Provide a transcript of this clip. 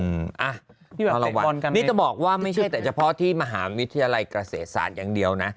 อืมอ่ะนี่จะบอกว่าไม่ใช่แต่เฉพาะที่มหาวิทยาลัยเกษตรศาสตร์อย่างเดียวนะ